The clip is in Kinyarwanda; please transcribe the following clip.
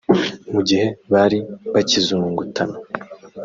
Mu gihe bari bakizurungutana